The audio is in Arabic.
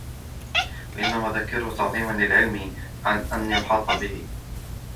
وَإِنَّمَا ذَكَرَهُ تَعْظِيمًا لِلْعِلْمِ عَنْ أَنْ يُحَاطَ بِهِ